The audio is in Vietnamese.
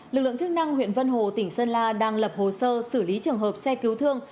lực lượng chức năng huyện vân hồ tỉnh sơn la đang lập hồ sơ xử lý trường hợp xe cứu thương